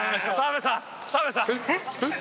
「えっ？」